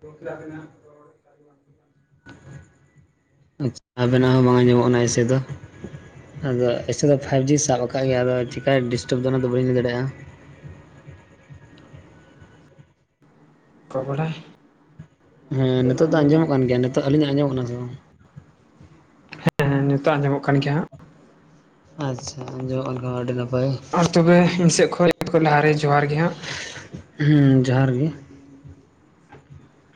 ᱜᱚᱢᱠᱮ ᱟᱵᱤᱱᱟᱜ ᱨᱚᱲ ᱟᱪ ᱟᱵᱮᱱᱟᱜ ᱦᱚᱸ ᱵᱟᱝ ᱟᱸᱡᱚᱢᱚᱜ ᱠᱟᱱᱟ ᱮᱥᱮ ᱫᱚ ᱟᱫᱚ ᱮᱥᱮ ᱫᱚ ᱯᱷᱟᱭᱤᱵᱷ ᱡᱤ ᱥᱟᱵ ᱟᱠᱟᱫ ᱜᱮᱭᱟ ᱟᱫᱚ ᱪᱮᱠᱟᱭ ᱰᱤᱥᱴᱟᱵᱽ ᱫᱟ ᱚᱱᱟᱫᱚ ᱵᱟᱹᱧ ᱞᱟᱹᱭ ᱫᱟᱲᱮᱭᱟᱜᱼᱟ ᱠᱚᱯᱚᱲᱟ ᱦᱮᱸ ᱱᱤᱛᱚᱜ ᱫᱚ ᱟᱸᱡᱚᱢᱚᱜ ᱠᱟᱱ ᱜᱮᱭᱟ ᱱᱤᱛᱚᱜ ᱟᱹᱞᱤᱧᱟᱜ ᱟᱸᱡᱚᱢᱚᱜ ᱠᱟᱱᱟ ᱥᱮ ᱵᱟᱝ ᱦᱮᱸ ᱦᱮᱸ ᱱᱤᱛᱚᱜ ᱟᱸᱡᱚᱢᱚᱜ ᱠᱟᱱ ᱜᱮᱭᱟ ᱦᱟᱸᱜ ᱟᱪᱷᱟ ᱟᱸᱡᱚᱢᱚᱜ ᱠᱷᱟᱱ ᱟᱹᱰᱤ ᱱᱟᱯᱟᱭ ᱟᱨ ᱛᱚᱵᱮ ᱤᱧ ᱥᱮᱫ ᱠᱷᱚᱱ ᱞᱟᱦᱟᱨᱮ ᱡᱚᱦᱟᱨ ᱜᱮ ᱦᱟᱸᱜ ᱦᱩᱸ ᱡᱚᱦᱟᱨ ᱜᱮ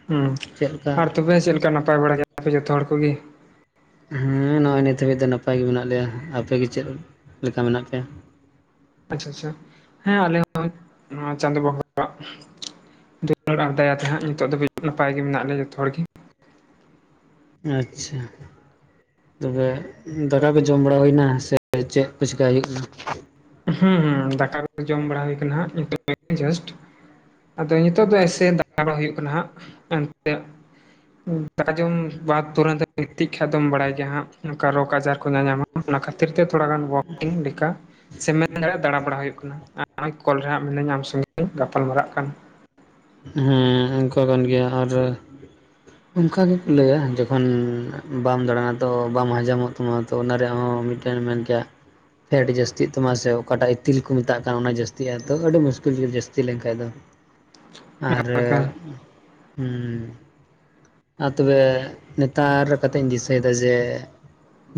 ᱦᱩᱸ ᱪᱮᱫ ᱞᱮᱠᱟ ᱟᱨ ᱛᱚᱵᱮ ᱪᱮᱫ ᱞᱮᱠᱟ ᱱᱟᱯᱟᱭ ᱵᱟᱲᱟ ᱜᱮᱭᱟᱯᱮ ᱡᱷᱚᱛᱚ ᱦᱚᱲ ᱠᱚᱜᱮ ᱦᱩᱸ ᱱᱚᱜᱼᱚᱭ ᱱᱤᱛ ᱦᱟᱹᱵᱤᱡ ᱫᱚ ᱱᱟᱯᱟᱭ ᱜᱮ ᱢᱮᱱᱟᱜ ᱞᱮᱭᱟ ᱟᱯᱮ ᱜᱮ ᱪᱮᱫ ᱞᱮᱠᱟ ᱢᱮᱱᱟᱜ ᱯᱮᱭᱟ ᱟᱪᱪᱷᱟ ᱦᱮᱸ ᱟᱞᱮ ᱦᱚᱸ ᱮ ᱪᱟᱸᱫᱳ ᱵᱚᱸᱜᱟ-ᱟᱜ ᱫᱩᱞᱟᱹᱲ ᱟᱨ ᱫᱟᱭᱟ ᱛᱮ ᱦᱟᱸᱜ ᱱᱤᱛᱚᱜ ᱫᱷᱟᱹᱵᱤᱡ ᱱᱟᱯᱟᱭ ᱜᱮ ᱢᱮᱱᱟᱜ ᱞᱮᱭᱟ ᱡᱚᱛᱚ ᱦᱚᱲᱜᱮ ᱟᱪᱪᱷᱟ ᱛᱚᱵᱮ ᱫᱟᱠᱟ ᱠᱚ ᱡᱚᱢ ᱵᱟᱲᱟ ᱦᱩᱭᱱᱟ ᱥᱮ ᱪᱮᱫ ᱠᱚ [unintelligible] ᱪᱤᱠᱟᱹᱭ ᱦᱩᱭᱩᱜ ᱠᱟᱱᱟ ᱦᱩᱸ ᱦᱩᱸ ᱫᱟᱠᱟ ᱠᱚ ᱡᱚᱢ ᱵᱟᱲᱟ ᱦᱩᱭ ᱠᱟᱱᱟ ᱦᱟᱸᱜ ᱱᱤᱛᱚᱜ ᱜᱮ ᱡᱟᱥᱴ ᱟᱫᱚ ᱱᱤᱛᱚᱜ ᱫᱚ ᱮᱥᱮ ᱫᱟᱸᱬᱟ ᱦᱩᱭᱩᱜ ᱠᱟᱱᱟ ᱦᱟᱸᱜ ᱮᱱᱛᱮ ᱫᱟᱠᱟ ᱡᱚᱢ ᱵᱟᱫ ᱛᱩᱨᱟᱹᱝ ᱜᱤᱛᱤᱡ ᱠᱷᱟᱱ ᱫᱚᱢ ᱵᱟᱲᱟᱭ ᱜᱮᱭᱟ ᱦᱟᱸᱜ ᱱᱚᱝᱠᱟ ᱨᱳᱠ ᱟᱡᱟᱨ ᱠᱚ ᱧᱟᱧᱟᱢᱟ ᱚᱱᱟ ᱠᱷᱟᱹᱛᱤᱨ ᱛᱮ ᱛᱷᱚᱲᱟ ᱜᱟᱱ ᱳᱭᱟᱨᱠᱤᱝ ᱞᱮᱠᱟ ᱥᱮ ᱢᱮᱱ ᱫᱟᱲᱮᱭᱟᱜᱼᱟ ᱫᱟᱸᱬᱟ ᱵᱟᱲᱟ ᱦᱩᱭᱩᱜ ᱠᱟᱱᱟ ᱟᱨ ᱠᱚᱞ ᱨᱮ ᱦᱟᱸᱜ ᱢᱮᱱᱟᱹᱧᱟ ᱟᱢ ᱥᱚᱸᱜᱮᱧ ᱜᱟᱯᱟᱞᱢᱟᱨᱟᱜ ᱠᱟᱱᱟ ᱦᱮᱸ ᱚᱱᱠᱟ ᱠᱟᱱ ᱜᱮᱭᱟ ᱟᱨ ᱚᱱᱠᱟ ᱜᱮᱠᱚ ᱞᱟᱹᱭᱟ ᱡᱚᱠᱷᱚᱱ ᱵᱟᱢ ᱫᱟᱬᱟᱱᱟ ᱛᱚ ᱵᱟᱢ ᱦᱚᱡᱚᱢᱚᱜ ᱛᱟᱢᱟ ᱛᱚ ᱚᱱᱟ ᱨᱮᱦᱚᱸ ᱢᱤᱫᱴᱮᱱ ᱢᱮᱱ ᱠᱮᱭᱟ ᱯᱷᱮᱴ ᱡᱟᱹᱥᱛᱤᱜ ᱢᱟᱥᱮ ᱚᱠᱟᱴᱟᱜ ᱤᱛᱤᱞ ᱠᱚ ᱢᱮᱛᱟᱜ ᱠᱟᱱ ᱚᱱᱟ ᱡᱟᱹᱥᱛᱤᱜᱼᱟ ᱛᱚ ᱟᱹᱰᱤ ᱢᱩᱥᱠᱤᱞ ᱜᱮ ᱡᱟᱹᱥᱛᱤ ᱞᱮᱱᱠᱷᱟᱡ ᱫᱚ ᱟᱨ ᱮᱠᱟᱞ ᱮ ᱦᱩᱸ ᱟᱨ ᱛᱚᱵᱮ ᱱᱮᱛᱟᱨ ᱠᱟᱛᱮᱧ ᱫᱤᱥᱟᱹᱭ ᱫᱟ ᱡᱮ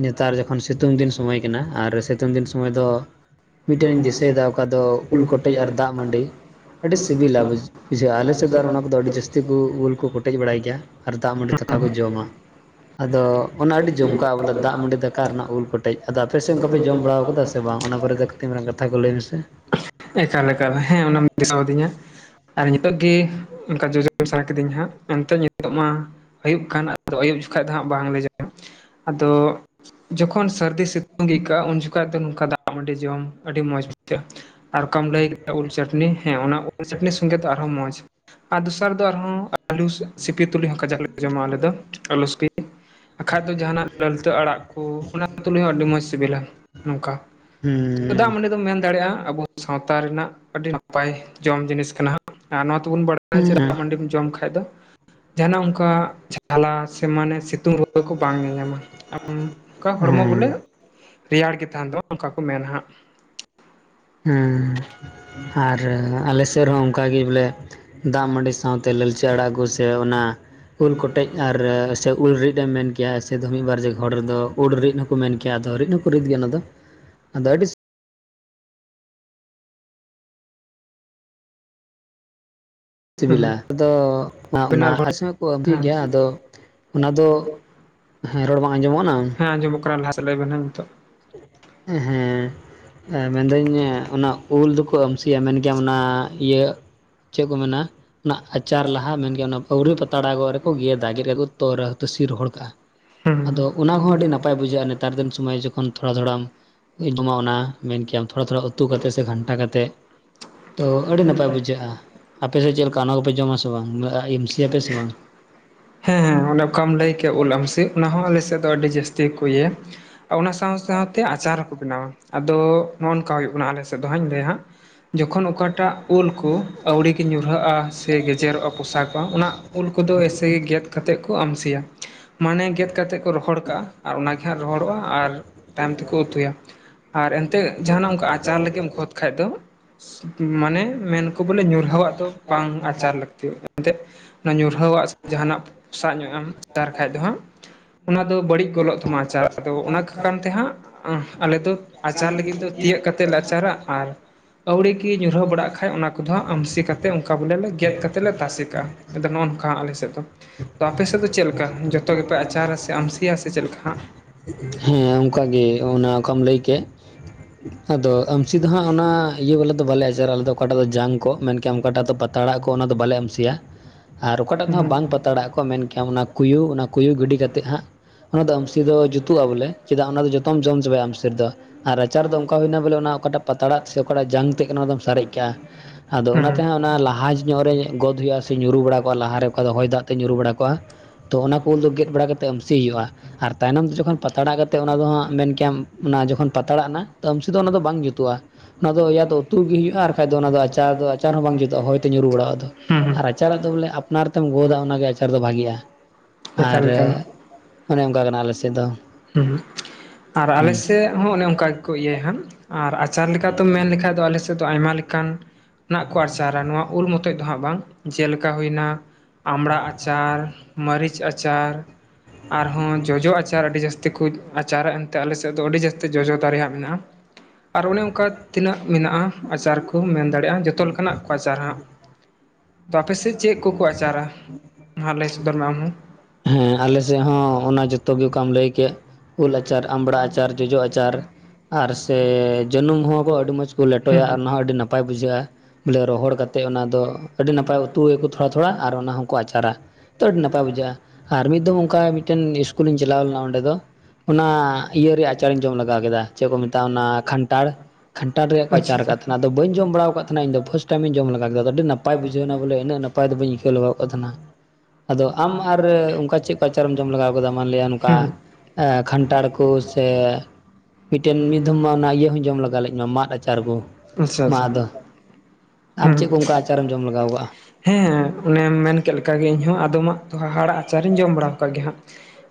ᱱᱮᱛᱟᱨ ᱡᱚ ᱥᱤᱛᱩᱝ ᱫᱤᱱ ᱥᱚᱢᱚᱭ ᱠᱟᱱᱟ ᱟᱨ ᱥᱤᱛᱩᱝ ᱫᱤᱱ ᱥᱚᱢᱚᱭ ᱫᱚ ᱢᱤᱫᱴᱮᱱᱤᱧ ᱫᱤᱥᱟᱹᱭᱮᱫᱟ ᱚᱠᱟ ᱫᱚ ᱩᱞ ᱠᱚᱴᱮᱡ ᱟᱨ ᱫᱟᱜ ᱢᱟᱹᱰᱤ ᱟᱹᱰᱤ ᱥᱤᱵᱤᱞᱟ ᱵᱩᱡ ᱵᱩᱡᱷᱟᱹᱜ ᱟ ᱟᱞᱮᱮᱥᱮᱫ ᱫᱚ ᱟᱨ ᱚᱱᱟ ᱠᱚᱫᱚ ᱟᱹᱰᱤ ᱡᱟᱹᱥᱛᱤ ᱠᱚ ᱩᱞ ᱠᱚ ᱠᱚᱴᱮᱮᱡ ᱵᱟᱲᱟᱭ ᱜᱮᱭᱟ ᱟᱨ ᱫᱟᱜ ᱢᱟᱹᱰᱤ ᱫᱟᱠᱟ ᱠᱚ ᱡᱚᱢᱟ ᱟᱫᱚ ᱚᱱᱟ ᱟᱹᱰᱤ ᱡᱚᱢ ᱠᱟᱜᱼᱟ ᱵᱚᱞᱮ ᱫᱟᱜ ᱢᱟᱹᱰᱤ ᱫᱟᱠᱟ ᱨᱮᱱᱟᱜ ᱩᱞ ᱠᱚᱴᱮᱡ ᱟᱫᱚ ᱟᱯᱮ ᱥᱮᱫ ᱚᱱᱠᱟ ᱯᱮ ᱡᱚᱢ ᱵᱟᱲᱟ ᱠᱟᱫᱟ ᱥᱮ ᱵᱟᱝ ᱚᱱᱟ ᱵᱟᱨᱮ ᱛᱮ ᱠᱟᱹᱴᱤᱡ ᱢᱟᱨᱟᱝ ᱠᱟᱛᱷᱟ ᱠᱚ ᱞᱟᱹᱭ ᱢᱮᱥᱮ ᱮᱠᱟᱞ ᱮᱠᱟᱞ ᱦᱮᱸ ᱚᱱᱟᱢ ᱫᱤᱥᱟᱹᱟᱫᱤᱧᱟ ᱟᱨ ᱱᱤᱛᱚᱜ ᱜᱮ ᱚᱱᱠᱟ ᱡᱚᱡᱚᱢ ᱥᱟᱱᱟ ᱠᱤᱫᱤᱧ ᱦᱟᱸᱜ ᱮᱱᱛᱮ ᱱᱤᱛᱚᱜ ᱢᱟ ᱟᱹᱭᱩᱵ ᱠᱟᱱ ᱛᱚ ᱟᱹᱭᱩᱵ ᱩᱱ ᱡᱚᱠᱷᱟ ᱫᱚ ᱦᱟᱜ ᱵᱟᱝ ᱞᱮ ᱡᱚᱢ ᱟᱫᱚ ᱡᱚᱠᱷᱚᱱ ᱥᱟᱹᱨᱫᱤ ᱥᱤᱛᱩᱝ ᱟᱹᱭᱠᱟᱹᱜᱼᱟ ᱩᱱ ᱡᱚᱚᱠᱷᱟᱡ ᱫᱚ ᱱᱚᱝᱠᱟ ᱫᱟᱜ ᱟᱹᱰᱤ ᱡᱚᱢ ᱟᱹᱰᱤ ᱢᱚᱸᱡᱽ ᱵᱩᱡᱷᱟᱹᱜᱼᱟ ᱟᱨ ᱚᱠᱟᱢ ᱞᱟᱹᱭ ᱠᱮᱫᱟ ᱩᱞ ᱪᱟᱹᱴᱱᱤ ᱦᱮᱸ ᱚᱱᱟ ᱩᱞ ᱪᱟᱹᱴᱱᱤ ᱥᱚᱸᱜᱮ ᱫᱚ ᱟᱨᱦᱚᱸ ᱢᱚᱸᱡᱽ ᱟᱨ ᱫᱚᱥᱟᱨ ᱫᱚ ᱟᱨᱦᱚᱸ ᱟᱹᱞᱩ ᱥᱤᱯᱤ ᱛᱩᱞᱩᱡ ᱦᱚᱸᱠᱟᱡᱟᱠ ᱞᱮ ᱡᱚᱢᱟ ᱟᱞᱮ ᱫᱚ ᱟᱞᱩ ᱥᱤᱯᱤ ᱵᱟᱠᱷᱟᱡ ᱫᱚ ᱡᱟᱦᱟᱱᱟᱜ ᱞᱟᱹᱞᱛᱟᱹ ᱟᱲᱟᱜ ᱠᱚ ᱚᱱᱟ ᱛᱩᱞᱩᱡ ᱦᱚᱸ ᱟᱹᱰᱤ ᱢᱚᱸᱡ ᱥᱤᱵᱤᱞᱟ ᱱᱚᱝᱠᱟ ᱦᱮᱸ ᱫᱟᱜ ᱢᱟᱹᱰᱤ ᱫᱚᱢ ᱢᱮᱱ ᱫᱟᱲᱮᱭᱟᱜᱼᱟ ᱟᱵᱚ ᱥᱟᱶᱛᱟ ᱨᱮᱱᱟᱜ ᱟᱹᱰᱤ ᱱᱟᱯᱟᱭ ᱡᱚᱢ ᱡᱤᱱᱤᱥ ᱠᱟᱱᱟ ᱟᱨ ᱱᱚᱣᱟ ᱟᱵᱚ ᱵᱚ ᱵᱟᱲᱟᱭᱟ ᱡᱮ ᱫᱟᱜ ᱢᱟᱹᱰᱤᱢ ᱡᱚᱢ ᱠᱷᱟᱡ ᱫᱚ ᱡᱟᱦᱟᱱᱟᱜ ᱚᱱᱠᱟ ᱡᱷᱟᱞᱟ ᱥᱮ ᱢᱟᱱᱮ ᱥᱤᱛᱩᱝ ᱨᱩᱣᱟᱹ ᱠᱚ ᱵᱟᱝ ᱧᱟᱧᱟᱢᱟ ᱟᱨ ᱚᱱᱠᱟ ᱦᱚᱲᱢᱚ ᱦᱮᱸ ᱵᱚᱞᱮ ᱨᱮᱭᱟᱲ ᱜᱮ ᱛᱟᱦᱮᱱ ᱛᱟᱢᱟ ᱚᱱᱠᱟ ᱠᱚ ᱢᱮᱱᱟ ᱦᱟᱜ ᱦᱮᱸ ᱟᱨ ᱟᱞᱮ ᱥᱮᱫ ᱨᱮᱦᱚᱸ ᱚᱱᱠᱟ ᱜᱮ ᱵᱚᱞᱮ ᱫᱟᱜ ᱢᱟᱹᱰᱤ ᱥᱟᱶᱛᱮ ᱞᱟᱹᱞᱪᱟ. ᱟᱲᱟᱜ ᱠᱚ ᱥᱮ ᱚᱱᱟ ᱩᱞ ᱠᱚᱴᱮᱡ ᱟᱨ ᱥᱮ ᱩᱞ ᱨᱤᱫ ᱮᱢ ᱢᱮᱱ ᱠᱮᱭᱟ ᱥᱮ ᱢᱤᱫ ᱵᱟᱨ ᱡᱟᱭᱜᱟ ᱦᱚᱲ ᱨᱮᱫᱚ ᱩᱞ ᱨᱤᱫ ᱦᱚᱸᱠᱚ ᱢᱮᱱ ᱠᱮᱭᱟ ᱟᱫᱚ ᱨᱤᱫ ᱦᱚᱸᱠᱚ ᱨᱤᱫ ᱜᱮᱭᱟ ᱚᱱᱟᱫᱚ ᱟᱫᱚ ᱟᱹᱰᱤ ᱦᱩᱸ ᱥᱤᱵᱤᱞᱟ ᱟᱫᱚ ᱵᱮᱱᱟᱣ ᱚᱱᱟ ᱠᱚ ᱟᱜᱩᱭ ᱦᱮᱸ ᱜᱮᱭᱟ ᱟᱫᱚ ᱚᱱᱟ ᱫᱚ ᱦᱮᱸ ᱨᱚᱲ ᱵᱟᱝ ᱟᱸᱡᱚᱢᱚᱜ ᱠᱟᱱᱟ ᱦᱮᱸ ᱟᱸᱡᱚᱢᱚᱜ ᱠᱟᱱᱟ ᱞᱟᱦᱟ ᱥᱮᱫ ᱞᱟᱹᱭ ᱵᱮᱱ ᱱᱤᱛᱚᱜ ᱦᱮᱸ ᱢᱮᱱᱫᱟᱹᱧ ᱚᱱᱟ ᱩᱞ ᱫᱚᱠᱚ ᱟᱢᱥᱤᱭᱟ ᱢᱮᱱ ᱜᱮᱟᱢ ᱚᱱᱟ ᱤᱭᱟᱹ ᱪᱮᱫ ᱠᱚ ᱢᱮᱱᱟ ᱚᱱᱟ ᱟᱪᱟᱨ ᱞᱟᱦᱟ ᱢᱮᱱᱜᱮ ᱚᱱᱟ ᱟᱹᱣᱨᱤ ᱯᱟᱛᱲᱟ ᱜᱚᱜ ᱨᱮᱠᱚ ᱜᱮᱫᱟ ᱜᱮᱫ ᱠᱟᱜ ᱠᱚ ᱛᱚᱨᱟ ᱛᱟᱹᱥᱤ ᱨᱚᱦᱚᱲ ᱠᱟᱜᱼᱟ ᱦᱩᱸ ᱟᱫᱚ ᱚᱱᱟ ᱦᱚᱸ ᱟᱹᱰᱤ ᱱᱟᱯᱟᱭ ᱵᱩᱡᱷᱟᱹᱜᱼᱟ ᱱᱮᱛᱟᱨ ᱫᱤᱱ ᱥᱚᱢᱚᱭ ᱡᱚᱠᱷᱚᱱ ᱛᱷᱚᱲᱟ ᱛᱷᱚᱲᱟᱢ ᱡᱚᱢᱟ ᱢᱮᱱ ᱠᱮ ᱛᱷᱚᱲᱟ ᱛᱷᱚᱲᱟ ᱩᱛᱩᱛ ᱥᱮ ᱜᱷᱟᱱᱴᱟ ᱠᱟᱛᱮᱫ ᱛᱚ ᱟᱹᱰᱤ ᱱᱟᱯᱟᱭ ᱵᱩᱡᱷᱟᱹᱜᱼᱟ ᱟᱯᱮᱥᱮᱫ ᱪᱮᱫᱠᱟ ᱚᱱᱟ ᱠᱚᱯᱮ ᱡᱚᱢᱟ ᱥᱮ ᱵᱟᱝ ᱮᱢ ᱥᱤᱭᱟᱯᱮ ᱥᱮ ᱵᱟᱝ ᱦᱮᱸ ᱦᱮᱸ ᱚᱱᱮ ᱚᱠᱟᱢ ᱞᱟᱹᱭ ᱠᱮ ᱩᱞ ᱟᱢᱥᱤ ᱚᱱᱟ ᱦᱚᱸ ᱟᱞᱮᱥᱮᱫ ᱫᱚ ᱟᱹᱰᱤ ᱡᱟᱹᱥᱛᱤ ᱜᱮ ᱠᱚ ᱤᱭᱟᱹᱭᱟ᱾ ᱚᱱᱟ ᱥᱟᱶ ᱥᱟᱶᱛᱮ ᱟᱪᱟᱨ ᱦᱚᱸᱠᱚ ᱵᱮᱱᱟᱣᱟ ᱟᱫᱚ ᱱᱚᱜᱼᱚ ᱱᱚᱝᱠᱟ ᱦᱩᱭᱩᱜ ᱠᱟᱱᱟ ᱟᱞᱮᱼᱼ ᱥᱮ ᱫᱚᱦ ᱤᱧ ᱞᱟᱹᱭᱟ ᱦᱟᱸᱜ ᱡᱚᱠᱷᱚᱱ ᱚᱠᱟᱴᱟᱜ ᱩᱞ ᱠᱚ ᱟᱹᱣᱲᱤ ᱜᱮ ᱧᱩᱨᱦᱟ ᱟ ᱥᱮ ᱜᱮᱡᱮᱨᱚᱜᱼᱟ ᱯᱚᱥᱟᱚᱜᱼᱟ ᱚᱱᱟ ᱩᱞ ᱠᱚᱫᱚ ᱮᱭᱥᱮᱮᱜᱮᱫ ᱠᱟᱛᱮᱮᱫ ᱠᱚ ᱟᱢᱥᱤᱭᱟ᱾ ᱢᱟᱱᱮ ᱜᱮᱫ ᱠᱟᱛᱮᱮᱫ ᱠᱚ ᱨᱚᱦᱚᱲ ᱠᱟᱜᱼᱟ ᱟᱨ ᱚᱱᱟ ᱜᱮ ᱦᱟᱸᱜ ᱨᱚᱦᱚᱲᱚᱜᱼᱟ ᱟᱨ ᱛᱟᱭᱚᱢ ᱛᱮᱠᱚ ᱩᱛᱩᱭᱟ᱾ ᱟᱨ ᱮᱱᱛᱮ ᱡᱟᱦᱟᱱᱟᱜ ᱚᱱᱠᱟ ᱟᱪᱟᱨ ᱞᱟᱹᱜᱤᱫ ᱮᱢ ᱠᱷᱚᱫ ᱠᱷᱟᱡ ᱫᱚ ᱢᱟᱱᱮ ᱢᱮᱱᱠᱚ ᱵᱚᱞᱮ ᱧᱩᱨᱦᱟᱹᱣᱟᱜ ᱫᱚ ᱵᱟᱝ ᱟᱪᱟᱨ ᱞᱟᱹᱠᱛᱤᱼᱟ᱾ ᱮᱱᱛᱜ ᱚᱱᱟ ᱧᱩᱨᱦᱟᱹᱣᱟᱜ ᱥᱮ ᱡᱟᱦᱟᱱᱟᱜ ᱯᱚᱥᱟᱜ ᱧᱚᱜ ᱮᱢ ᱟᱪᱟᱨ ᱠᱷᱟᱡ ᱫᱚ ᱦᱟᱸᱜ ᱚᱱᱟ ᱫᱚ ᱵᱟᱹᱲᱤᱡ ᱜᱚᱫᱚᱜ ᱛᱟᱢᱟ ᱟᱪᱟᱨ ᱟᱫᱚ ᱚᱱᱟ ᱠᱚ ᱠᱟᱨ ᱛᱮ ᱦᱟᱸᱜ ᱟᱞᱮ ᱫᱚ ᱟᱪᱟᱨ ᱞᱟᱹᱜᱤᱫ ᱫᱚ ᱛᱤᱭᱟᱹᱜ ᱠᱟᱛᱮᱮᱫ ᱞᱮ ᱟᱪᱟᱨᱟ ᱟᱨ ᱟᱹᱣᱲᱤ ᱜᱮ ᱧᱩᱨᱦᱟᱹ ᱵᱟᱲᱟᱜ ᱠᱷᱟᱡ ᱚᱱᱟ ᱠᱚᱫᱚ ᱟᱢᱥᱤ ᱠᱟᱛᱮ ᱚᱱᱠᱟ ᱵᱚᱞᱮ ᱞᱮ ᱜᱮᱫᱼᱟ ᱠᱟᱛᱮ ᱞᱮ ᱛᱟᱥᱮ ᱠᱟᱜᱼᱟ ᱟᱫᱚ ᱱᱚᱜ ᱱᱚᱝᱠᱟ ᱟᱞᱮ ᱥᱮᱫ ᱫᱚ᱾ ᱟᱯᱮ ᱫᱚ ᱪᱮᱫ ᱞᱮᱠᱟ? ᱪᱮᱫ ᱞᱮᱠᱟ ᱡᱚᱛᱚ ᱜᱮᱯᱮ ᱟᱪᱟᱨᱟ ᱥᱮ ᱟᱢᱥᱤᱭᱟ ᱥᱮ ᱪᱮᱫ ᱞᱮᱠᱟ ᱦᱟᱸᱜ ᱦᱮᱸ ᱚᱱᱠᱟᱜᱮ ᱚᱱᱟ ᱚᱠᱟᱢ ᱞᱟᱹᱭ ᱠᱮᱫ ᱟᱫᱚ ᱟᱹᱢᱥᱤ ᱫᱚ ᱦᱟᱸᱜ ᱚᱱᱟ ᱤᱭᱟᱹ ᱵᱟᱞᱟ ᱫᱚ ᱵᱟᱞᱮ ᱟᱪᱟᱨᱟ ᱟᱞᱮ ᱫᱚ ᱚᱠᱟᱴᱟᱜ ᱫᱚ ᱡᱟᱝ ᱠᱚ ᱢᱮᱱᱠᱷᱟᱱ ᱚᱠᱟᱴᱟᱜ ᱫᱚ ᱯᱟᱛᱲᱟᱜ ᱠᱚ ᱚᱱᱟ ᱫᱚ ᱵᱟᱞᱮ ᱟᱢᱥᱤᱭᱟ᱾ ᱟᱨ ᱚᱠᱟᱴᱟᱜ ᱫᱚᱦ ᱦᱩᱸ ᱵᱟᱝ ᱯᱟᱛᱲᱟᱜ ᱠᱚᱜ ᱢᱮᱱᱠᱮᱭᱟᱢ ᱚᱱᱟ ᱠᱩᱭᱩ ᱚᱱᱟ ᱠᱩᱭᱩ ᱜᱤᱰᱤ ᱠᱟᱛᱮᱫ ᱦᱟᱸᱜ ᱚᱱᱟ ᱫᱚ ᱟᱢᱥᱤ ᱫᱚ ᱡᱩᱛ ᱡᱩᱛᱩᱜᱼᱟ ᱵᱚᱞᱮ ᱪᱮᱫᱟᱜ ᱚᱱᱟ ᱫᱚ ᱡᱚᱛᱚᱢ ᱡᱚᱢ ᱪᱟᱵᱟᱭ ᱟᱢᱥᱤ ᱫᱚ ᱟᱨ ᱟᱪᱟᱨ ᱫᱚ ᱚᱱᱠᱟ ᱦᱩᱭᱱᱟ ᱵᱚᱞᱮ ᱚᱱᱟ ᱚᱠᱟᱴᱟᱜ ᱯᱟᱛᱲᱟᱟᱜ ᱥᱮ ᱚᱠᱟᱴᱟᱜ ᱡᱟᱝ ᱛᱮᱫ ᱚᱱᱟᱫᱢ ᱥᱟᱨᱮᱡ ᱠᱟᱜᱼᱟ ᱟᱫᱚ ᱚᱱᱟ ᱦᱩᱸ ᱛᱮᱦᱚᱸ ᱚᱱᱟ ᱞᱟᱦᱟ ᱧᱚᱜ ᱨᱮ ᱜᱚᱫ ᱦᱩᱭᱩᱜᱼᱟ ᱥᱮ ᱧᱩᱨᱩ ᱵᱟᱲᱟᱟᱜᱼᱟ ᱞᱟᱦᱟᱨᱮ ᱚᱠᱟ ᱫᱚ ᱦᱚᱭ ᱫᱟᱜ ᱛᱮ ᱧᱩᱨᱩ ᱵᱟᱲᱟ ᱠᱚᱜ-ᱟ ᱛᱚ ᱚᱱᱟ ᱠᱚ ᱩᱞ ᱫᱚ ᱜᱮᱫ ᱵᱟᱲᱟ ᱠᱟᱛᱮᱫ ᱟᱢᱥᱤ ᱦᱩᱭᱩᱜᱼᱟ ᱟᱨ ᱛᱟᱭᱱᱚᱢ ᱛᱮ ᱡᱚᱠᱷᱚᱱ ᱯᱟᱛᱟᱲᱟ ᱠᱟᱛᱮ ᱚᱱᱟ ᱫᱚ ᱦᱟᱜ ᱢᱮᱱ ᱠᱮᱭᱟᱢ ᱚᱱᱟ ᱡᱚᱠᱷᱚᱱ ᱯᱟᱛᱟᱲᱟᱜ ᱮᱱᱟ ᱛᱚ ᱟᱢᱥᱤ ᱫᱚ ᱚᱱᱟ ᱫᱚ ᱵᱟᱝ ᱡᱩᱛᱩᱜᱼᱟ ᱚᱱᱟ ᱟᱱᱟ ᱫᱚ ᱩᱛᱩ ᱜᱮ ᱦᱩᱭᱩᱜᱼᱟ ᱟᱨ ᱵᱟᱠᱷᱟᱡ ᱫᱚ ᱚᱱᱟ ᱫᱚ ᱟᱪᱟᱨ ᱫᱚ ᱟᱪᱟᱨ ᱦᱚᱸ ᱵᱟᱝ ᱡᱩᱛᱩᱜᱼᱟ ᱦᱚᱭ ᱛᱮ ᱧᱩᱨᱩ ᱵᱟᱲᱟᱣᱟᱜ ᱫᱚ ᱦᱩᱸ ᱦᱩᱸ ᱟᱨ ᱟᱪᱟᱨᱟᱜ ᱫᱚ ᱵᱚᱞᱮ ᱚᱱᱟ ᱨᱮ ᱛᱮᱢ ᱜᱚᱫᱟ ᱚᱱᱟᱜᱮ ᱟᱪᱟᱨ ᱫᱚ ᱵᱷᱟᱜᱤᱜᱼᱟ ᱟᱨ ᱮᱠᱟᱞ ᱮᱠᱟᱞ ᱚᱱᱮ ᱚᱱᱠᱟ ᱠᱟᱱᱟ ᱟᱞᱮᱥᱮᱫ ᱫᱚ᱾ ᱦᱮᱸ ᱟᱨ ᱟᱞᱮ ᱦᱩᱸ ᱥᱮᱫ ᱦᱚᱸ ᱚᱱᱮ ᱚᱱᱠᱟ ᱜᱮᱠᱚ ᱤᱭᱟᱹᱭᱟᱦᱟᱜ ᱟᱨ ᱟᱪᱟᱨ ᱞᱮᱠᱟᱛᱮᱢ ᱢᱮᱱ ᱞᱮᱠᱷᱟᱱ ᱫᱚ ᱟᱞᱮ ᱥᱮᱫ ᱫᱚ ᱟᱭᱢᱟ ᱞᱮᱠᱟᱱ ᱠᱚ ᱟᱨᱪᱟᱨᱟ ᱱᱚᱣᱟ ᱩᱞ ᱢᱚᱛᱚᱡ ᱫᱚ ᱦᱟᱸᱜ ᱵᱟᱝ ᱡᱮᱞᱮᱠᱟ ᱦᱩᱭᱱᱟ ᱟᱢᱲᱟ ᱟᱪᱟᱨ ᱢᱟᱹᱨᱤᱪ ᱟᱪᱟᱨ ᱟᱨᱦᱚᱸ ᱡᱚᱡᱚ ᱟᱪᱟᱨ ᱟᱹᱰᱤ ᱡᱟᱹᱥᱛᱤ ᱡᱟᱹᱥᱛᱤ ᱠᱚ ᱟᱪᱟᱨᱟᱜᱼᱟ ᱮᱱᱛᱮ ᱟᱞᱮ ᱥᱮᱫ ᱫᱚ ᱟᱹᱰᱤ ᱡᱟᱹᱥᱛᱤ ᱡᱚᱡᱚ ᱫᱮ ᱨᱮᱭᱟᱜ ᱢᱮᱱᱟᱜᱼᱟ᱾ ᱟᱨ ᱚᱱᱮ ᱚᱱᱠᱟ ᱛᱤᱱᱟᱹᱜ ᱢᱮᱱᱟᱜᱼᱟ ᱟᱪᱟᱨ ᱠᱚ ᱢᱮᱱ ᱫᱟᱲᱮᱭᱟᱜᱼᱟ ᱡᱚᱛᱚ ᱞᱮᱠᱟᱱᱟᱜ ᱠᱚ ᱟᱪᱟᱨ ᱦᱟᱸᱜ ᱟᱯ ᱥᱮᱫ ᱪᱮᱫ ᱠᱚᱠᱚ ᱟᱪᱟᱨᱟ? ᱢᱟ ᱞᱟᱹᱭ ᱥᱚᱫᱚᱨ ᱢᱮ ᱟᱢ ᱦᱚᱸ ᱦᱮᱸ ᱟᱞᱮ ᱥᱮᱫ ᱦᱚᱸ ᱚᱱᱟ ᱡᱚᱛᱚ ᱜᱮ ᱚᱠᱟᱢ ᱞᱟᱹᱭ ᱠᱮᱫ ᱩᱞ ᱟᱪᱟᱨ ᱟᱢᱲᱟ ᱟᱪᱟᱨ ᱡᱚᱡᱚ ᱟᱪᱟᱨ ᱟᱨ ᱥᱮ ᱡᱟᱹᱱᱩᱢ ᱦᱚᱸᱠᱚ ᱟᱹᱰᱤ ᱢᱚᱸᱡᱽ ᱠᱚ ᱦᱩᱸ ᱞᱮᱴᱚᱭᱟ ᱟᱨ ᱦᱩᱸ ᱚᱱᱟ ᱦᱚᱸᱚᱸ ᱟᱹᱰᱤ ᱱᱟᱯᱟᱭ ᱵᱩᱡᱷᱟᱹᱜᱼᱟ᱾ ᱵᱚᱞᱮ ᱨᱚᱦᱚᱲ ᱠᱟᱛᱮᱫ ᱚᱱᱟ ᱫᱚ ᱟᱹᱰᱤ ᱱᱟᱯᱟᱭ ᱩᱛᱩᱭᱟᱠᱚ ᱛᱷᱚᱲᱟ ᱛᱷᱚᱲᱟ ᱟᱨ ᱚᱱᱟ ᱦᱚᱸ ᱟᱪᱟᱨᱟ ᱛᱚ ᱟᱹᱰᱤ ᱱᱟᱯᱟᱭ ᱵᱩᱡᱷᱟᱹᱜᱼᱟ ᱟᱨ ᱢᱤᱫ ᱫᱢ ᱚᱱᱠᱟ ᱢᱤᱫᱴᱮᱱ ᱤᱥᱠᱩᱞᱤᱧ ᱪᱟᱞᱟᱣ ᱞᱮᱱᱟ ᱚᱸᱰᱮ ᱫᱚ ᱚᱱᱟ ᱤᱭᱟᱹ ᱨᱮᱭᱟᱜ ᱟᱪᱟᱨᱤᱧ ᱡᱚᱢ ᱞᱮᱜᱟᱣ ᱠᱮᱫᱟ ᱪᱮᱫ ᱠᱚ ᱢᱮᱛᱟᱜᱼᱟ ᱚᱱᱟ ᱠᱷᱟᱱᱴᱟᱲ ᱠᱷᱟᱱᱴᱷᱟᱲ ᱨᱮᱭᱟᱜ ᱠᱚ ᱟᱪᱪᱷᱟ ᱟᱪᱟᱨ ᱟᱠᱟᱫᱱᱟ ᱟᱫᱚ ᱦᱩᱸ ᱵᱟᱹᱧ ᱡᱚᱢ ᱵᱟᱲᱟ ᱟᱠᱟᱫ ᱛᱟᱦᱮᱱᱟ ᱤᱧᱫᱚ ᱯᱟᱥ ᱴᱟᱭᱤᱢ ᱤᱧ ᱡᱚᱢ ᱞᱮᱜᱟ ᱠᱮᱫᱟ ᱟᱹᱰᱤ ᱱᱟᱯᱟᱭ ᱵᱩᱡᱷᱟᱹᱣᱱᱟ ᱵᱚᱞᱮ ᱤᱱᱟᱹᱜ ᱱᱟᱯᱟᱭ ᱫᱚ ᱵᱟᱭ ᱟᱹᱭᱠᱟᱹᱣ [unintelligible] [unintelligible] ᱟᱪᱪᱷᱟ ᱟᱢ ᱟᱨ ᱟᱪᱪᱷᱟ ᱚᱱᱠᱟ ᱪᱮᱫ ᱠᱚ ᱟᱪᱟᱨᱮᱢ ᱡᱚᱢ ᱞᱮᱜᱟᱣ ᱠᱟᱫᱟ ᱢᱟᱱᱞ ᱱᱚᱝᱠᱟ ᱦᱩᱸ ᱠᱷᱟᱱᱴᱷᱟᱲ ᱠᱚ ᱥᱮ ᱢᱤᱫᱴᱮᱱ ᱢᱤᱫ ᱫᱷᱢ ᱢᱟ ᱚᱱᱟ ᱤᱭᱟᱹ ᱦᱚᱧ ᱡᱚᱢ ᱞᱮᱜᱟ ᱞᱮᱫ ᱢᱟ ᱢᱟᱫ ᱟᱪᱟᱨ ᱠᱚ ᱢᱟᱫᱚ ᱟᱢ ᱪᱮᱫ ᱠᱚ ᱚᱱᱠᱟ ᱟᱪᱟᱨᱮᱢ ᱡᱚᱢ ᱞᱮᱜᱟᱣ ᱠᱟᱜᱼᱟ? ᱦᱮᱸ ᱚᱱᱮᱢ ᱢᱮᱱ ᱠᱮᱫ ᱞᱮᱟᱜᱮ ᱤᱧ ᱦᱚᱸ ᱟᱫᱚᱢᱟᱜ ᱫᱚ ᱦᱟᱦᱟᱲᱟ ᱟᱪᱟᱨᱤᱧ ᱡᱚᱢ ᱵᱟᱲᱟ ᱟᱠᱟᱫ ᱜᱮᱭᱟ ᱦᱟᱸᱜ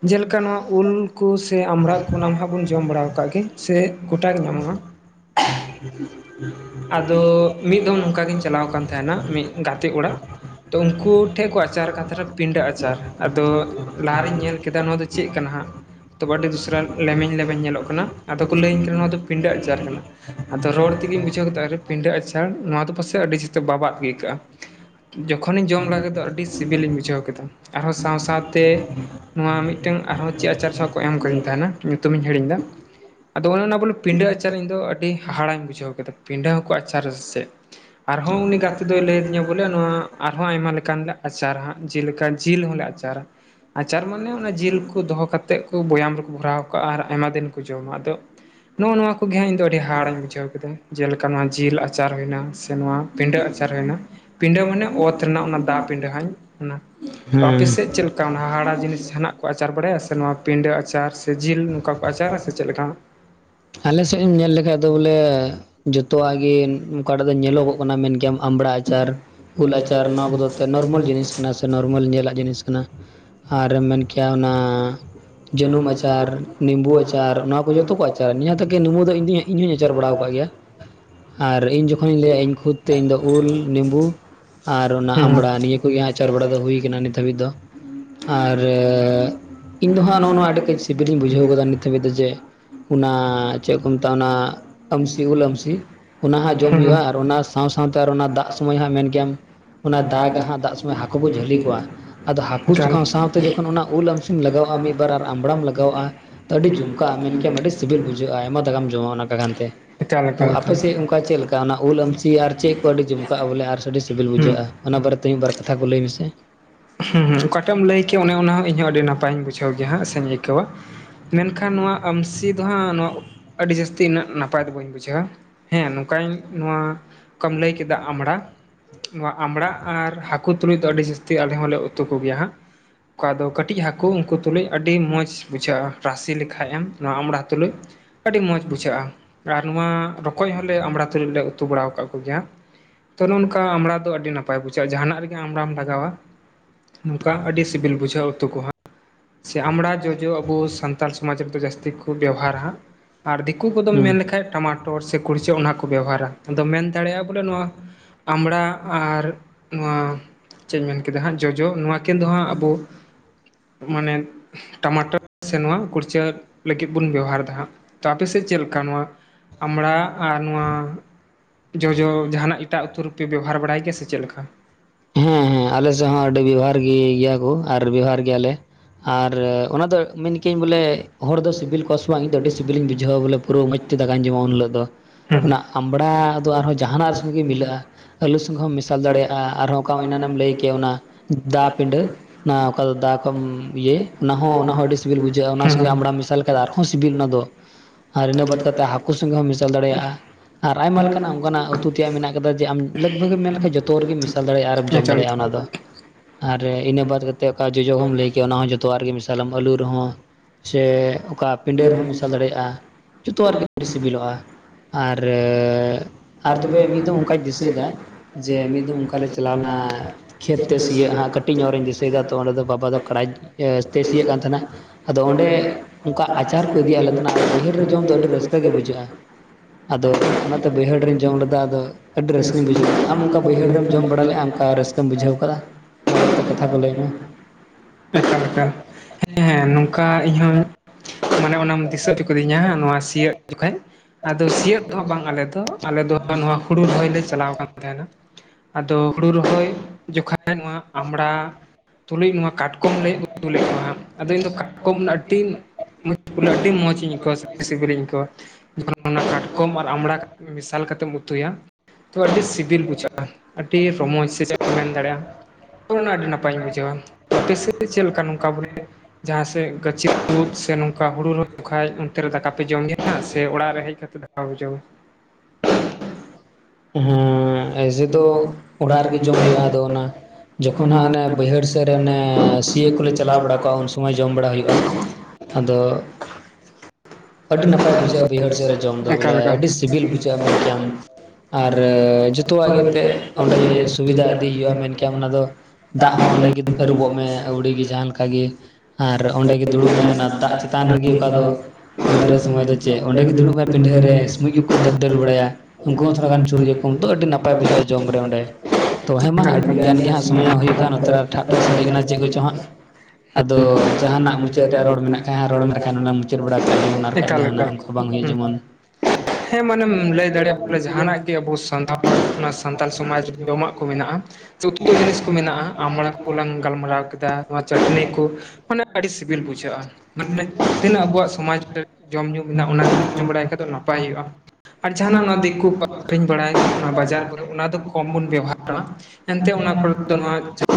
ᱡᱮᱞᱮᱠᱟ ᱱᱚᱣᱟ ᱩᱞ ᱠᱚ ᱥᱮ ᱟᱢᱲᱟ ᱠᱚ ᱚᱱᱟᱦᱜ ᱵᱚᱱ ᱡᱚᱢ ᱵᱟᱲᱟ ᱠᱟᱜ ᱜᱮ ᱥᱮ ᱜᱳᱴᱟᱜ ᱜᱮ ᱧᱟᱢᱚᱜᱼᱟ᱾ [unintelligible] ᱟᱫᱚ ᱢᱤᱫ ᱫᱚᱢ ᱱᱚᱝᱠᱟ ᱜᱤᱧ ᱪᱟᱞᱟᱣ ᱟᱠᱟᱱ ᱛᱟᱦᱮᱱᱟ ᱢᱤᱫ ᱜᱟᱛᱮ ᱚᱲᱟᱜ ᱛᱚ ᱩᱱᱠᱩ ᱴᱷᱮᱡ ᱠᱚ ᱟᱪᱟᱨ ᱠᱟᱛ ᱯᱤᱸᱰᱟᱹ ᱟᱪᱟᱨ ᱟᱫᱚ ᱞᱟᱦᱟᱨᱟᱨᱤᱧ ᱧᱮᱞ ᱠᱮᱫᱟ ᱱᱚᱣᱟ ᱫᱚ ᱪᱮᱫ ᱠᱟᱱᱟ ᱦᱟᱜ? ᱛᱚᱵ ᱟᱹᱰᱤ ᱩᱥᱨᱟ ᱞᱮᱢᱮᱧ ᱞᱮᱢᱮᱧ-ᱧᱮᱞᱚᱜ ᱠᱟᱱᱟ᱾ ᱟᱫᱚ ᱠᱚ ᱞᱮᱹᱢᱮᱹᱧ ᱧᱮᱞᱚᱜ ᱠᱟᱱᱟ᱾ ᱱᱚᱣᱟ ᱫᱚ ᱯᱤᱸᱰᱟᱹᱜ ᱟ ᱡᱟᱨ ᱠᱟᱱᱟ ᱟᱫᱚ ᱨᱚᱲ ᱛᱮᱜᱮ ᱵᱷᱟᱹᱣᱛ ᱨᱮ ᱯᱤᱰᱟᱹ ᱟᱪᱟᱲ ᱱᱚᱣᱟ ᱫᱚ ᱯᱟᱥᱮᱡ ᱟᱹᱰᱤ ᱡᱟᱹᱥᱛᱤ ᱵᱟᱵᱟᱫ ᱜᱮ ᱟᱹᱭᱠᱟᱹᱜᱼᱟ᱾ ᱡᱚᱠᱷᱚᱱᱤᱧ ᱡᱚᱢ ᱞᱮᱟ ᱠᱮᱫᱟ ᱟᱹᱰᱤ ᱥᱤᱵᱤᱞᱤᱧ ᱵᱩᱡᱷᱟᱹᱣ ᱠᱮᱫᱟ ᱟᱨᱦᱚᱸ ᱥᱟᱶ ᱥᱟᱶᱛᱮ ᱱᱚᱣᱟ ᱢᱤᱫᱴᱟᱱ ᱟᱨᱦᱚᱸ ᱪᱮᱫ ᱟ ᱪᱟᱨᱥᱟ ᱠᱚ ᱮᱢ ᱠᱟᱫᱤᱧ ᱛᱟᱦᱮᱱᱟ ᱧᱩᱛᱩᱢᱤᱧ ᱦᱤᱲᱤᱧᱫᱟ᱾ ᱟᱫᱚ ᱚᱱᱮ ᱚᱱᱟ ᱵᱚᱞᱮ ᱯᱤᱰᱟᱹ ᱟᱪᱟᱨ ᱤᱧ ᱫᱚ ᱟᱹᱰᱤ ᱦᱟᱦᱟᱲᱟᱧ ᱵᱩᱡᱷᱟᱹᱣ ᱠᱮᱫᱟ᱾ ᱯᱤᱸᱰᱟᱹ ᱦᱚᱸᱠᱚ ᱟᱪᱟᱨᱟᱥᱮ? ᱟᱨᱦᱚᱸ ᱩᱱᱤ ᱜᱟᱛᱮ ᱫᱚᱭ ᱞᱟᱹᱭ ᱟᱹᱫᱤᱧᱟ ᱵᱚᱞᱮ ᱱᱚᱣᱟ ᱟᱨᱦᱚᱸ ᱟᱭᱢᱟ ᱞᱮᱠᱟᱱ ᱟᱪᱟᱨ ᱡᱮᱞᱮᱠᱟ ᱡᱤᱞ ᱦᱚᱸ ᱟᱪᱟᱨᱟ ᱟᱪᱟᱨ ᱢᱟᱱᱮ ᱚᱱᱟ ᱡᱤᱞ ᱠᱚ ᱫᱚᱦᱚ ᱠᱟᱛᱮᱫ ᱠᱚ ᱵᱮᱭᱟᱢ ᱨᱮᱠᱚ ᱵᱷᱚᱨᱟᱣ ᱠᱟᱜᱼᱟ ᱟᱨ ᱟᱭᱢᱟ ᱫᱤᱱ ᱠᱚ ᱡᱚᱢᱟ ᱟᱫᱚ ᱱᱚᱜᱼᱚ ᱱᱚᱣᱟ ᱠᱚᱜᱮ ᱤᱧ ᱫᱚ ᱟᱹᱰᱤ ᱦᱟᱲᱤᱧ ᱵᱩᱡᱷᱟᱹᱣ ᱠᱮᱫᱟ ᱡᱮᱞᱮᱠᱟ ᱱᱚᱣᱟ ᱡᱤᱞ ᱟᱪᱟᱨ ᱦᱩᱭᱱᱟ ᱱᱚᱣᱟ ᱯᱤᱰᱟᱹ ᱟᱪᱟᱨ ᱦᱩᱭᱱᱟ ᱯᱤᱰᱟᱹ ᱢᱟᱱᱮ ᱚᱛ ᱨᱮᱱᱟᱜ ᱚᱱᱟ ᱫᱟ ᱯᱤᱰᱟᱹ ᱦᱟᱸᱜ ᱚᱱᱟ ᱚ ᱦᱮᱸ ᱟᱯᱮᱥᱮᱫ ᱪᱮᱫ ᱞᱮᱠᱟ ᱦᱟᱦᱟᱲᱟ ᱡᱤᱱᱤᱥ ᱡᱟᱦᱱᱟᱜ ᱠᱚ ᱟᱪᱟᱨ ᱵᱟᱲᱟᱭᱟ ᱥᱮ ᱱᱚᱣᱟ ᱯᱤᱸᱰᱟᱹ ᱟᱪᱟᱨ ᱥᱮ ᱡᱤᱞ ᱱᱚᱝᱠᱟ ᱠᱚ ᱟᱪᱟᱨ ᱟᱪᱟᱨᱟ ᱥᱮ ᱪᱮᱫ ᱞᱮᱠᱟ? ᱟᱞᱮ ᱥᱮᱫ ᱮᱢ ᱧᱮᱞ ᱞᱮᱠᱷᱟᱡ ᱫᱚ ᱵᱚᱞᱮ ᱡᱚᱛᱚᱣᱟᱜ ᱜᱮ ᱚᱠᱟᱴᱟᱜ ᱫᱚ ᱧᱮᱞᱚᱜᱚᱜ ᱠᱟᱱᱟ ᱢᱮᱱᱜᱮᱟᱢ ᱟᱢᱲᱟ ᱟᱪᱟᱨ, ᱩᱞᱟ ᱟᱪᱟᱨ ᱱᱚᱣᱟ ᱠᱚᱫᱚ ᱱᱚᱨᱢᱟᱞ ᱡᱤᱱᱤᱥ ᱠᱟᱱᱟ ᱥᱮ ᱱᱚᱨᱢᱟᱞ ᱧᱮᱞᱟᱜ ᱡᱤᱱᱤᱥ ᱠᱟᱱᱟ ᱟᱨᱮᱢ ᱢᱮᱱ ᱠᱮᱭᱟ᱾ ᱚᱱᱟ ᱡᱟᱹᱱᱩᱢ ᱟᱪᱟᱨ ᱱᱤᱢᱵᱩ ᱟᱪᱟᱨ ᱚᱱᱟ ᱠᱚ ᱡᱚᱛᱚ ᱠᱚ ᱟᱪᱟᱨ ᱟᱪᱷᱟ ᱱᱚᱦᱟᱹᱜᱮ ᱱᱩᱢᱩ ᱫᱚ ᱤᱧ ᱤᱧ ᱦᱚᱧ ᱟᱪᱟᱨ ᱵᱟᱲᱟ ᱟᱠᱟᱫ ᱜᱮᱭᱟ᱾ ᱟᱨ ᱤᱧ ᱡᱚᱠᱷᱚᱱᱤᱧ ᱞᱟᱹᱭᱟ ᱤᱧ ᱠᱷᱩᱫ ᱛᱮ ᱤᱧᱫᱚ ᱩᱞ ᱱᱤᱢᱵᱩ ᱟᱨ ᱚᱱᱟ ᱟᱢᱲᱟ ᱱᱤᱭᱟᱹ ᱠᱚᱜᱮ ᱦᱟᱸᱜ ᱟᱪᱟᱨ ᱵᱟᱲᱟ ᱫᱚ ᱦᱩᱭ ᱠᱟᱱᱟ ᱱᱤᱛ ᱦᱟᱹᱵᱤᱡ ᱫᱚ᱾ ᱟᱨ ᱤᱧᱫᱚ ᱦᱟᱸᱜ ᱱᱚᱜᱼᱚ ᱱᱚᱣᱟ ᱟᱹᱰᱤ ᱠᱟᱡ ᱥᱤᱵᱤᱞᱤᱧ ᱵᱩᱡᱷᱟᱹᱣ ᱠᱟᱫᱟ ᱱᱤᱛ ᱦᱟᱹᱵᱤᱡ ᱫᱚ ᱡᱮ ᱚᱱᱟ ᱪᱮᱫ ᱠᱚ ᱢᱮᱛᱟᱜᱼᱟ᱾ ᱚᱱᱟ ᱟᱹᱢᱥᱤ ᱩᱞ ᱟᱢᱥᱤ ᱚᱱᱟ ᱦᱚᱸ ᱡᱚᱢ ᱦᱩᱭᱩᱜᱼᱟ ᱟᱨ ᱚᱱᱟ ᱥᱟᱶ-ᱥᱟᱶᱛᱮ ᱛᱮ ᱟᱨ ᱚᱱᱟ ᱫᱟᱜ ᱥᱚᱢᱚᱭ ᱦᱟᱸᱜ ᱢᱮᱱ ᱜᱮᱭᱟᱢ ᱚᱱᱟ ᱫᱟᱜᱟᱦᱟ ᱫᱟᱜ ᱥᱚᱢᱢᱚᱭ ᱦᱟᱹᱠᱩ ᱵᱚ ᱡᱷᱟᱹᱞᱤ ᱠᱚᱣᱟ ᱟᱫᱚ ᱦᱟᱹᱠᱩ ᱮᱠᱟᱞ ᱥᱟ ᱥᱟᱶᱛᱮ ᱡᱚᱠᱷᱚᱱ ᱚᱱᱟ ᱩᱞ ᱟᱢᱥᱤᱢ ᱞᱟᱜᱟᱣᱼᱟ᱾ ᱢᱤᱫ ᱵᱟᱨ ᱟᱨ ᱟᱢᱲᱟᱢ ᱞᱟᱜᱟᱣᱟᱜᱼᱟ, ᱛᱚ ᱟᱹᱰᱤ ᱡᱚᱢᱠᱟᱜᱼᱟ᱾ ᱢᱮᱱᱠᱷᱟᱱ ᱮᱠᱮ ᱟᱹᱰᱤ ᱥᱤᱵᱤᱞ ᱵᱩᱡᱷᱟᱹᱜᱼᱟ ᱟᱭᱢᱟ ᱫᱟᱜᱟᱢ ᱡᱚᱢᱟ ᱚᱱᱟᱟᱨᱚᱱ ᱛᱮ ᱮᱠᱟᱞ ᱛᱚ ᱮᱠᱟᱞ ᱟᱯᱮ ᱮᱠᱟᱞ ᱥᱮᱫ ᱚᱱᱠᱟ ᱪᱮᱫᱮᱠᱟ ᱩᱞ ᱟᱢᱥᱤ ᱟᱨ ᱪᱮᱫ ᱠᱚ ᱟᱹᱰᱤ ᱡᱚᱢᱠᱟᱜᱼᱟ ᱵᱚᱞᱮ ᱟᱨ ᱟᱹᱰᱤ ᱥᱤᱵᱤᱞ ᱦᱩᱸ ᱵᱩᱡᱷᱟᱹᱜᱼᱟ᱾ ᱚᱱᱟ ᱵᱟᱨᱮ ᱛᱮ ᱢᱤᱫ ᱵᱟᱨ ᱠᱟᱛᱷᱟ ᱠᱚ ᱞᱟᱹᱭ ᱢᱮᱥᱮ ᱦᱩᱸ ᱦᱚᱸ ᱚᱠᱟᱴᱟᱜ ᱮᱢ ᱞᱟᱹᱭ ᱠᱮᱫᱮ ᱚᱱᱮ ᱚᱱᱟᱦᱚᱸ ᱤᱧᱦᱚᱸ ᱟᱹᱰᱤ ᱱᱟ ᱱᱟᱯᱟᱭᱤᱧ ᱵᱩᱡᱷᱟᱹᱣ ᱜᱮᱭᱟ ᱦᱟᱸᱜ᱾ ᱥᱮᱧ ᱟᱹᱭᱠᱟᱹᱣᱟ ᱢᱮᱱᱠᱷᱟᱱ ᱱᱚᱣᱟ ᱟᱢᱥᱤ ᱫᱚ ᱦᱟᱸᱜ ᱱᱚᱣᱟ ᱟᱹᱰᱤ ᱡᱟᱹᱥᱛᱤ ᱛᱤᱱᱟᱹᱜ ᱱᱟᱯᱟᱭ ᱫᱚ ᱵᱟᱹᱧ ᱵᱩᱡᱷᱟᱹᱣᱟ ᱦᱮᱸ ᱱᱚᱱᱠᱟᱧ ᱱᱚᱣᱟ ᱠᱚᱢ ᱞᱟᱹᱭ ᱠᱮᱫᱟ ᱟᱢᱲᱟ᱾ ᱱᱚᱣᱟ ᱟᱢᱲᱟ ᱟᱨ ᱦᱟᱹᱠᱩ ᱛᱩᱞᱩᱡ ᱫᱚ ᱟᱹᱰᱤ ᱡᱟᱹᱥᱛᱤ ᱟ ᱦᱚᱞ ᱞᱮ ᱩᱛᱩ ᱠᱚᱜᱮᱭᱟ ᱦᱟᱸᱜ᱾ ᱚᱠᱟ ᱫᱚ ᱠᱟᱹᱴᱤᱡ ᱦᱟᱹᱠᱩ ᱩᱱᱠᱩ ᱛᱩᱞᱩᱡ ᱟᱹᱰᱤ ᱢᱚᱸᱡᱽ ᱵᱩᱡᱷᱟᱹᱜᱼᱟ᱾ ᱨᱟᱥᱮ ᱞᱮᱠᱷᱟᱡ ᱮᱢ ᱱᱚᱣᱟ ᱟᱢᱲᱟ ᱛᱩᱞᱩᱡ ᱟᱹᱰᱤ ᱢᱚᱸᱡᱽ ᱵᱩᱡᱷᱟᱹᱜᱼᱟ ᱟᱨ ᱱᱚᱣᱟ ᱨᱚᱠᱚᱡ ᱦᱚᱸᱞᱮ ᱟᱢᱲᱟ ᱛᱩᱞᱩᱡ ᱞᱮ ᱩᱛᱩ ᱵᱟᱲ ᱠᱟᱜ ᱠᱚᱜᱮᱭᱟ᱾ ᱛᱚ ᱱᱚᱱᱠᱟ ᱟᱢᱲᱟ ᱫᱚ ᱟᱹᱰᱤ ᱱᱟᱯᱟᱭ ᱵᱩᱡᱷᱟᱹᱜᱼᱟ᱾ ᱡᱟᱦᱟᱱᱟᱜ ᱨᱮᱜᱮ ᱟᱢᱲᱟᱢ ᱞᱟᱜᱟᱣᱟ᱾ ᱱᱚᱱᱠᱟ ᱟᱹᱰᱤ ᱥᱤᱵᱤᱞ ᱵᱩᱡᱷᱟᱹᱜᱼᱟ, ᱩᱛᱩ ᱠᱚᱦᱟ ᱥᱮ ᱟᱢᱲᱟ ᱡᱚᱡᱚ ᱟᱵᱚ ᱥᱟᱱᱛᱟᱲ ᱥᱚᱢᱟᱡᱽ ᱨᱮᱫᱚ ᱡᱟᱹᱥᱛᱤ ᱠᱚ ᱵᱮᱣᱦᱟᱨᱟ ᱟᱨ ᱫᱤᱠᱩ ᱠᱚᱫᱚᱢ ᱦᱮᱸ ᱢᱮᱱ ᱞᱮᱠᱷᱟᱡ ᱴᱟᱢᱟᱴᱚᱨ ᱥᱮ ᱠᱩᱲᱪᱟᱹ ᱚᱱᱟ ᱠᱚ ᱵᱮᱵᱚᱦᱟᱨᱟ ᱟᱫᱚ ᱢᱮᱱ ᱫᱟᱲᱮᱭᱟᱜᱼᱟ᱾ ᱵᱚᱞᱮ ᱱᱚᱣᱟ ᱟᱢᱲᱟ ᱟᱨ ᱱᱚᱣᱟ ᱪᱮᱫ ᱤᱧ ᱢᱮᱱ ᱠᱮᱫᱟ ᱦᱟᱸᱜ ᱡᱚᱡᱚ ᱱᱚᱣᱟ ᱠᱤᱱ ᱫᱚ ᱦᱟᱸᱜ ᱟᱵᱚ ᱢᱟᱱᱮ ᱴᱟᱢᱟᱴᱳ ᱥᱮ ᱱᱚᱣᱟ ᱠᱩᱲᱪᱟᱹ ᱞᱟᱹᱜᱤᱫ ᱵᱚᱱ ᱵᱮᱣᱦᱟᱨ ᱮᱫᱟ ᱦᱟᱸᱜ ᱛᱚ ᱟᱯᱮ ᱥᱮᱫ ᱪᱮᱫ ᱞᱮᱠᱟ ᱱᱚᱣᱟ ᱟᱢᱲᱟ ᱟᱨ ᱱᱚᱣᱟ ᱡᱚᱡᱚ ᱡᱟᱦᱟᱱᱟᱜ ᱮᱴᱟᱜᱛ ᱨᱮᱯᱮ ᱵᱮᱵᱚᱦᱟᱨ ᱵᱟᱲᱟᱭ ᱜᱮᱭᱟ ᱥᱮ ᱪᱮᱫ ᱞᱮᱠᱟ? ᱦᱮᱸ ᱦᱮᱸ ᱟᱞᱮ ᱮᱥᱮᱫ ᱦᱚᱸ ᱟᱹᱰᱤ ᱵᱮᱵᱚᱦᱟᱨ ᱜᱮ ᱜᱮᱭᱟ ᱠᱚ ᱟᱨ ᱵᱮᱵᱟᱨ ᱜᱮᱭᱟᱞᱮ ᱟᱨ ᱟᱨ ᱚᱱᱟ ᱫᱚ ᱢᱮᱱ ᱠᱤᱭᱟᱹᱟᱹᱧ ᱵᱚᱞᱮ ᱦᱚᱲ ᱫᱚ ᱥᱤᱵᱤᱞ ᱠᱚᱣᱟ ᱥᱮ ᱵᱟᱝ ᱤᱧ ᱫᱚ ᱟᱹᱰᱤ ᱥᱤᱵᱤᱞᱤᱧ ᱵᱩᱡᱷᱟᱹᱣᱟ ᱵᱚᱞᱮ ᱯᱩᱨᱟᱹ ᱢᱚᱡᱽ ᱛᱮ ᱫᱟᱠᱟᱧ ᱡᱚᱢ ᱩᱱ ᱦᱤᱞᱟᱜ ᱫᱚ ᱦᱩᱸ ᱚᱱᱟ ᱟᱢᱲᱟ ᱫᱚ ᱟᱨᱦᱚᱸ ᱡᱟᱦᱟᱱᱟᱜ ᱮᱠᱟᱞ ᱥᱚᱸᱜᱮ ᱜᱮ ᱢᱤᱞᱟᱹᱜᱼᱟ, ᱟᱹᱞᱩ ᱥᱚᱸᱜᱮᱢ ᱦᱚᱸᱢ ᱢᱮᱥᱟᱞ ᱫᱟᱲᱮᱭᱟᱜᱼᱟ ᱟᱨᱦᱚᱸ ᱚᱠᱟ ᱦᱩᱭᱱᱟ ᱚᱱᱮᱢ ᱞᱟᱹᱭ ᱠᱮ ᱚᱱᱟ ᱫᱟ ᱯᱤᱱᱰᱟᱹ ᱚᱱᱟ ᱩᱠᱟ ᱫᱟ ᱠᱷᱚᱱ ᱤᱸᱭᱟᱸᱭ ᱚᱱᱟ ᱦᱚᱸᱢ ᱚᱱᱟ ᱦᱚᱸ ᱟᱹᱰᱤ ᱥᱤᱵᱤᱞ ᱵᱩᱡᱷᱟᱹᱜᱼᱟ ᱚᱱᱟ ᱥᱚᱸᱜᱮ ᱟᱢᱲᱟ ᱢᱮᱥᱟᱞ ᱠᱟᱛᱮ ᱟᱨᱦᱚᱸ ᱥᱤᱵᱤᱞ ᱚᱱᱟ ᱫᱚ ᱟᱨ ᱤᱱᱟᱹ ᱵᱟᱫ ᱠᱟᱛᱮ ᱦᱟᱹᱠᱩ ᱥᱚᱸᱜᱮ ᱦᱚᱸ ᱢᱮᱥᱟᱞ ᱫᱟᱲᱮᱭᱟᱜᱼᱟ᱾ ᱟᱨ ᱟᱭᱢᱟ ᱞᱮᱠᱟᱱᱟᱜ ᱚᱱᱠᱟᱱᱟᱜ ᱩᱛᱩ ᱛᱮᱭᱟᱜ ᱢᱮᱱᱟᱜ ᱠᱟᱫᱟ ᱡᱮ ᱟᱢ ᱞᱟᱹᱜᱽ ᱵᱷᱟᱹᱜᱽ ᱮᱢᱢ ᱢᱮᱱ ᱞᱮᱠᱷᱟᱱ ᱡᱚᱛᱚ ᱨᱮᱜᱮ ᱢᱮᱥᱟᱞ ᱫᱟᱲᱮᱼᱟ ᱟᱨᱮᱢ ᱡᱚᱢ ᱫᱟᱲᱮᱭᱟᱜᱼᱟ ᱚᱱᱟ ᱟᱫᱚ, ᱟᱨᱮ ᱤᱱᱟᱹ ᱵᱟᱫ ᱠᱟᱛᱮᱫ ᱚᱠᱟ ᱡᱚᱡᱚ ᱦᱚᱢ ᱞᱟᱹᱭ ᱠᱮᱭᱟ ᱚᱱᱟ ᱦᱚᱸᱦᱚᱸ ᱡᱚᱛᱚᱣᱟᱜ ᱜᱮ ᱢᱮᱥᱟᱞᱟᱢ ᱟᱹᱞᱩ ᱨᱮᱦᱚᱸ ᱥᱮ ᱚᱠᱟ ᱯᱤᱱᱰᱟᱹᱨ ᱨᱮᱦᱚᱸ ᱢᱮᱥᱟᱞ ᱫᱟᱲᱮᱭᱟᱜᱼᱟ ᱡᱚᱛᱚᱣᱟᱜ ᱨᱮᱜᱮᱢ ᱟᱹᱰᱤ ᱥᱤᱵᱤᱞᱚᱜᱼᱟ᱾ ᱟᱨ ᱟᱨᱮ ᱟᱨ ᱛᱚᱵᱮ ᱢᱤᱫ ᱫᱚᱢ ᱚᱱᱠᱟᱭ ᱫᱤᱥᱟᱹᱭᱫᱟ, ᱡᱮ ᱢᱤᱫ ᱫᱚᱢ ᱚᱱᱠᱟᱞᱮ ᱪᱟᱞᱟᱣ ᱞᱮᱱᱟ᱾ ᱟ ᱟᱸᱭ ᱠᱷᱮᱛ ᱛᱮ ᱥᱤᱭᱟᱹᱜ-ᱟᱭ ᱠᱷᱟᱹᱴᱤ ᱠᱟᱹᱴᱤ ᱧᱚᱜ ᱨᱮᱧ ᱤᱥᱟᱹᱭᱮᱫᱟ ᱛᱚ ᱚᱸᱰᱮ ᱫᱚ ᱵᱟᱵᱟ ᱫᱚ ᱠᱟᱰᱟᱭ-ᱮ ᱛᱮᱭ ᱥᱤᱭᱟᱹᱜ ᱠᱟᱱ ᱛᱟᱦᱮᱸᱱᱟ ᱟᱫᱚ ᱚᱸᱰᱮ ᱚᱱᱠᱟ ᱟᱪ ᱟᱪᱟᱨ ᱠᱚ ᱤᱫᱤᱭᱟᱜ ᱞᱮ ᱛᱟᱦᱮᱱᱟ ᱟᱨ ᱵᱟᱹᱭᱦᱟᱹᱲ ᱨᱮ ᱡᱚᱢ ᱫᱚ ᱟᱹᱰᱤ ᱨᱟᱹᱥᱠᱟᱹ ᱜᱮ ᱵᱩᱡᱷᱟᱹᱜᱼᱟ᱾ ᱟᱫᱚ ᱚᱱᱟᱛᱮ ᱵᱟᱹᱭᱦᱟᱹᱲ ᱨᱤᱧ ᱡᱚᱢ ᱞᱮᱫᱟ ᱟᱫᱚ ᱚᱱᱟᱛᱮ ᱵᱟᱹᱭᱦᱟᱹᱲ ᱨᱮᱧ ᱡᱚᱢ ᱞᱮᱫᱟ ᱟᱫᱚ ᱟᱹᱰᱤ ᱨᱟᱹᱥᱠᱟᱹᱧ ᱵᱩᱡᱷᱟᱹᱣ ᱞᱮᱫᱟ ᱟᱢ ᱚᱱᱠᱟ ᱵᱟᱹᱭᱦᱟᱹᱲ ᱨᱮᱢ ᱡᱚᱢ ᱵᱟᱲᱟ ᱞᱮᱫᱼᱟ? ᱚᱠᱟ ᱨᱟᱹᱥᱠᱟᱹᱢ ᱵᱩᱡᱷᱟᱹᱣ ᱟᱠᱟᱫᱟ? ᱚᱱᱟ ᱵᱟᱨᱮᱛᱮ ᱠᱟᱛᱷᱟ ᱠᱚ ᱞᱟᱹᱭ ᱢᱮ ᱦᱮᱸ ᱱᱚᱝᱠᱟ ᱤᱧ ᱦᱚᱸᱧ ᱢᱟᱱᱮ ᱚᱱᱟᱢ ᱫᱤᱥᱟᱹ ᱦᱚᱪᱚ ᱠᱟᱫᱤᱧᱟ ᱱᱚᱣᱟ ᱥᱤᱭᱟᱹᱜ ᱡᱚᱠᱷᱟᱡᱽ ᱟᱫᱚ ᱥᱤᱭᱳᱜ ᱫᱚ ᱵᱟᱝ ᱟᱞᱮ ᱫᱚ ᱟᱞᱮ ᱫᱚ ᱱᱚᱣᱟ ᱦᱩᱲᱩ ᱨᱚᱦᱚᱭ ᱞᱮ ᱪᱟᱞᱟᱣ ᱟᱠᱟᱱ ᱛᱟᱦᱮᱸᱱᱟ ᱟᱫᱚ ᱦᱩᱲᱩ ᱨᱚᱦᱚᱭ ᱡᱚᱠᱷᱟᱡ ᱟᱢᱲᱟ ᱛᱩᱞᱩᱡ ᱱᱚᱶᱟ ᱠᱟᱴᱠᱚᱢ ᱞᱮ ᱩᱛᱩ ᱞᱮᱫ ᱠᱚᱣᱟ ᱟᱫᱚ ᱤᱧ ᱫᱚ ᱠᱟᱴᱠᱚᱢ ᱨᱮᱱᱟᱜ ᱟᱹᱰᱤ ᱢᱚᱸᱡ ᱟᱹᱰᱤ ᱢᱚᱸᱡᱽ ᱢᱚᱸᱡᱽ ᱤᱧ ᱟᱹᱭᱠᱟᱹᱣᱟ ᱥᱤᱵᱤᱞᱤᱧ ᱟᱹᱭᱠᱟᱹᱣᱟ ᱡᱚᱠᱷᱚᱱ ᱚᱱᱟ ᱠᱟᱴᱠᱚᱢ ᱟᱨ ᱟᱢᱲᱟ ᱢᱮᱥᱟᱞ ᱠᱟᱛᱮᱢ ᱩᱛᱩᱭᱟ ᱛᱚ ᱟᱹᱰᱤ ᱥᱤᱵᱤᱞ ᱵᱩᱡᱷᱟᱹᱜᱼᱟ ᱟᱹᱰᱤ ᱨᱚᱢᱚᱡᱽ ᱥᱮ ᱢᱮᱱ ᱫᱟᱲᱮᱭᱟᱜᱼᱟ᱾ ᱚᱱᱟ ᱟᱹᱰᱤ ᱱᱟᱯᱟᱭᱤᱧ ᱵᱩᱡᱷᱟᱹᱣᱟ ᱟᱯᱮ ᱥᱮᱫ ᱪᱮᱫ ᱞᱮᱠᱟ ᱱᱚᱱᱠᱟ ᱵᱚᱞᱮ ᱡᱟᱦᱟᱸᱥᱮᱫ ᱜᱟᱪᱷᱤ ᱛᱩᱫ ᱥᱮ ᱱᱚᱝᱠᱟ ᱦᱩᱲᱩ ᱨᱚᱦᱚᱭ ᱡᱚᱠᱷᱟᱭ ᱚᱱᱛᱮ ᱨᱮ ᱫᱟᱠᱟ ᱯᱮ ᱡᱚᱢ ᱜᱮᱭᱟ ᱥᱮ ᱚᱲᱟᱜ ᱨᱮ ᱦᱮᱡ ᱠᱟᱛᱮ? ᱫᱟᱠᱟᱵᱩ ᱡᱚᱢᱟ [unintelligible] ᱦᱮᱸ ᱮᱥᱮ ᱫᱚ ᱚᱲᱟᱜ ᱨᱮᱜᱮ ᱡᱚᱢ ᱦᱩᱭᱩᱜᱼᱟ ᱟᱫᱚ ᱚᱱᱟ ᱡᱚᱠᱷᱚᱱ ᱦᱟᱸᱜ ᱚᱱᱮ ᱵᱟᱹᱭᱦᱟᱹᱲ ᱥᱮᱫ ᱨᱮ ᱚᱱᱮ ᱥᱤᱭᱟᱹᱜ ᱠᱩᱞᱮ ᱪᱟᱞᱟᱣ ᱵᱟᱲᱟ ᱠᱚᱜᱼᱟ ᱩᱱ ᱥᱚᱢᱚᱭ ᱡᱚᱢ ᱵᱟᱲᱟ ᱦᱩᱭᱩᱜᱼᱟ᱾ ᱟᱫᱚ ᱟᱹᱰᱤ ᱱᱟᱯᱟᱭ ᱵᱩᱡᱷᱟᱹᱜᱼᱟ ᱵᱟᱹᱭᱦᱟᱹᱲ ᱥᱮᱫ ᱨᱮ ᱡᱚᱢ ᱫᱚ ᱵᱚᱞᱮ ᱟᱹᱰᱤ ᱥᱤᱵᱤᱞ ᱵᱩᱡᱷᱟᱹᱜᱼᱟ ᱢᱮᱱᱠᱮᱭᱟᱢ ᱟᱨ ᱡᱚᱛᱚᱣᱟᱜ ᱜᱮᱛᱮ ᱚᱸᱰᱮ ᱥᱩᱵᱤᱫᱷᱟ ᱤᱫᱤ ᱦᱩᱭᱩᱜᱼᱟ ᱢᱮᱱᱠᱮᱭᱟᱢ ᱚᱱᱟ ᱫᱚ ᱫᱟᱜ ᱦᱚᱸ ᱚᱸᱰᱮᱜᱤ ᱟᱹᱨᱩᱵᱚᱜ ᱢᱮ ᱟᱹᱣᱲᱤᱜᱤ ᱡᱟᱦᱟᱸᱞᱮᱠᱟᱜᱤ ᱟᱨ ᱚᱸᱰᱮᱜᱤ ᱫᱩᱲᱩᱵ ᱢᱮ ᱚᱱᱟ ᱫᱟᱜ ᱪᱮᱛᱟᱱ ᱨᱮᱜᱮ ᱚᱠᱟ ᱟᱨ ᱫᱚ [unintelligible] ᱜᱤᱫᱽᱨᱟᱹ ᱥᱚᱢᱚᱭ ᱫᱚ ᱪᱮᱫ ᱚᱸᱰᱮ ᱜᱮ ᱫᱩᱲᱩᱵ ᱢᱮ ᱯᱤᱸᱰᱟᱹ ᱨᱮ [unintelligible] ᱜᱮ ᱠᱚ ᱫᱟᱹᱲ ᱵᱟᱲᱟᱭᱟ ᱩᱱᱠᱩ ᱦᱚᱸ ᱛᱷᱚᱲᱟ ᱜᱟᱱ ᱪᱩᱨᱩᱡ ᱟᱠᱚ ᱢᱮ ᱟᱹᱰᱤ ᱱᱟᱯᱟᱭ ᱵᱩᱡᱷᱟᱹᱟ ᱡᱚᱢᱨᱮ ᱚᱸᱰᱮ ᱛᱚᱵᱮ ᱦᱮᱸ ᱢᱟ ᱟᱹᱰᱤ ᱜᱟᱱ ᱜᱮ ᱦᱟᱸᱜ ᱥᱚᱢᱚᱭ ᱦᱚᱸ ᱦᱳᱭ ᱟᱠᱟᱱ ᱱᱚᱛᱮ ᱨᱮ ᱴᱷᱟᱜ ᱴᱚᱜ ᱥᱟᱰᱮ ᱠᱟᱱᱟ ᱪᱮᱫ ᱠᱚᱪᱚ ᱦᱟᱸᱜ ᱟᱫᱚ ᱡᱟᱦᱟᱱᱟᱜ ᱢᱩᱪᱟᱹᱫ ᱨᱮᱭᱟᱜ ᱨᱚᱲ ᱢᱮᱱᱟᱜ ᱠᱷᱟᱱ ᱨᱚᱲ ᱢᱮ ᱠᱷᱟᱱ ᱚᱱᱟ ᱢᱩᱪᱟᱹᱫ ᱵᱟᱲᱟ ᱟᱨ ᱡᱮᱢᱚᱱ ᱟᱨᱠᱷᱟᱱ ᱮᱠᱟᱞ ᱡᱟᱦᱟᱱᱟᱜ ᱮᱠᱟᱞ ᱚᱱᱠᱟ ᱵᱟᱝ ᱦᱩᱭᱩᱜ-ᱟ ᱦᱩᱸ ᱡᱮᱢᱚᱱ ᱦᱮᱸ ᱢᱟᱱᱮᱢ ᱞᱟᱹᱭ ᱫᱟᱲᱮᱭᱟᱜ-ᱟ ᱵᱚᱞᱮ ᱡᱟᱦᱟᱱᱟᱜ ᱜᱮ ᱟᱵᱚ ᱥᱟᱱᱛᱟᱲ ᱥᱟᱱᱛᱟᱲ ᱥᱚᱢᱟᱡᱽ ᱡᱚᱢᱟᱜ ᱠᱚ ᱢᱮᱱᱟᱜ-ᱟ᱾ ᱥᱩᱫᱽᱫᱷᱚ ᱡᱤᱱᱤᱥ ᱠᱚ ᱢᱮᱱᱟᱜ-ᱟ ᱟᱢᱲᱟ ᱠᱚᱞᱟᱝ ᱜᱟᱞᱢᱟᱨᱟᱣ ᱠᱮᱫᱟ ᱱᱚᱣᱟ ᱪᱟᱹᱴᱱᱤ ᱠᱚ ᱢᱟᱱᱮ ᱟᱹᱰᱤ ᱥᱤᱵᱤᱞ ᱵᱩᱡᱷᱟᱹᱜ-ᱟ ᱢᱟᱱᱮ ᱛᱤᱱᱟᱹᱜ ᱟᱵᱚᱣᱟᱜ ᱥᱚᱢᱟᱡᱽ ᱨᱮ ᱡᱚᱢ ᱧᱩ ᱢᱮᱱᱟᱜ-ᱟ ᱚᱱᱟ ᱜᱮ ᱡᱚᱢ ᱵᱟᱲᱟᱭ ᱠᱷᱟᱡ ᱫᱚ ᱱᱟᱯᱟᱭ ᱦᱩᱭᱩᱜ-ᱟ᱾ ᱟᱨ ᱡᱟᱦᱟᱸᱱᱟᱜ ᱚᱱᱟ ᱫᱤᱠᱩ ᱠᱚ ᱟᱠᱷᱨᱤᱝ ᱵᱟᱲᱟᱭ ᱚᱱᱟ ᱵᱟᱡᱟᱨ ᱠᱚᱨᱮ ᱚᱱᱟ ᱫᱚ ᱠᱚᱢ ᱵᱚᱱ ᱵᱮᱵᱦᱟᱨ ᱮᱱᱛᱮ ᱚᱱᱟ ᱠᱚᱨᱮ ᱫᱚ